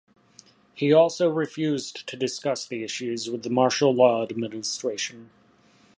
He also refused to discuss the issues with the martial law administration.